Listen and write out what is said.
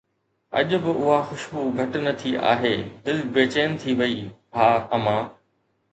اڄ به اها خوشبو گهٽ نه ٿي آهي، دل بيچين ٿي وئي: ها، امان؟